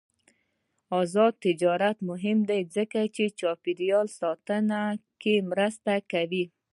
آزاد تجارت مهم دی ځکه چې چاپیریال ساتنه کې مرسته کوي.